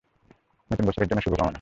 নতুন বছরের জন্য শুভ কামনা।